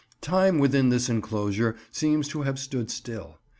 Time within this enclosure seems to have stood still.